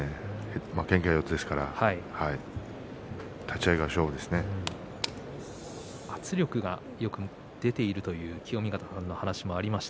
けんか四つですから圧力が、よく出ているという清見潟さんの話もありました